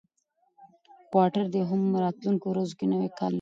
کوارټر دی او هم راتلونکو ورځو کې نوی کال لرو،